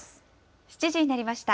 ７時になりました。